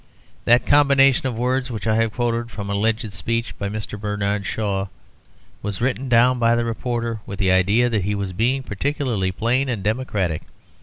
That combination of words which I have quoted from an alleged speech of Mr. Bernard Shaw's was written down by the reporter with the idea that he was being particularly plain and democratic.